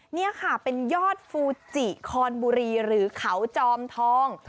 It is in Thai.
นี่ค่ะเป็นยอดฟูจิคอนบุรีหรือเขาจอมทอง